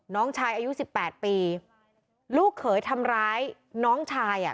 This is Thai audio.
น้องชายอายุสิบแปดปีลูกเขยทำร้ายน้องชายอ่ะ